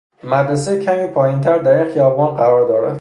مدرسه کمی پایینتر در این خیابان قرار دارد.